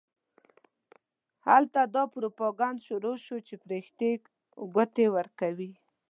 هلته دا پروپاګند شروع شو چې فرښتې ګوتې ورکوي.